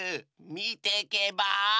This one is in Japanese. みてけばあ？